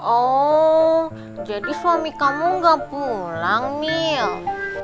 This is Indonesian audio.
oh jadi suami kamu gak pulang mil